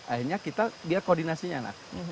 akhirnya kita dia koordinasinya anak